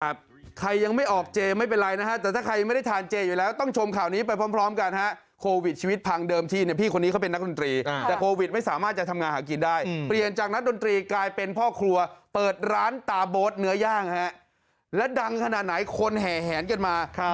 ใครยังไม่ออกเจไม่เป็นไรนะฮะแต่ถ้าใครไม่ได้ทานเจอยู่แล้วต้องชมข่าวนี้ไปพร้อมพร้อมกันฮะโควิดชีวิตพังเดิมที่เนี่ยพี่คนนี้เขาเป็นนักดนตรีแต่โควิดไม่สามารถจะทำงานหากินได้เปลี่ยนจากนักดนตรีกลายเป็นพ่อครัวเปิดร้านตาโบ๊ทเนื้อย่างฮะและดังขนาดไหนคนแห่แหนกันมา